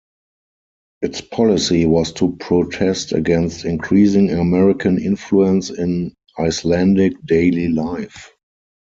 Its policy was to protest against increasing American influence in Icelandic daily life.